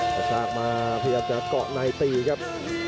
ก็ชากมาพี่กัดจะเกาะในตีครับ